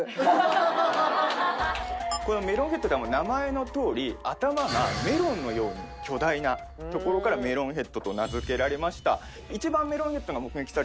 このメロンヘッドって名前のとおり頭がメロンのように巨大なところからメロンヘッドと名付けられました。